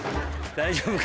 大丈夫か？